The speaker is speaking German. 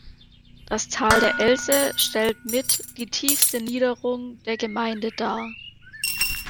Das Tal der Else stellt mit die tiefste Niederung der Gemeinde dar.